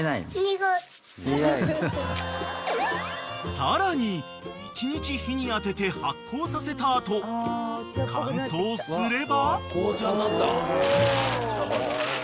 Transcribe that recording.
［さらに１日日に当てて発酵させた後乾燥すれば］